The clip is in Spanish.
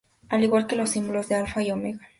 Al igual que los símbolos de Alfa y Omega.